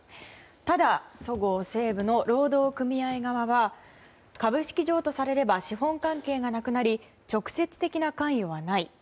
ただ、そごう・西武の労働組合側は株式譲渡されれば資本関係がなくなり直接的な関与はない。